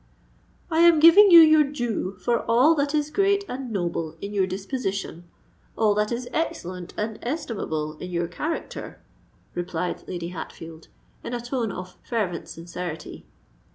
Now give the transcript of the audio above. "I am giving you your due for all that is great and noble in your disposition—all that is excellent and estimable in your character," replied Lady Hatfield, in a tone of fervent sincerity.